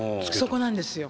そこなんですよ。